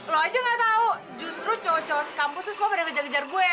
lo aja gak tau justru cowok cowok kampusnya semua pada ngejar kejar gue